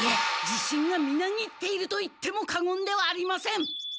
自信がみなぎっていると言っても過言ではありません！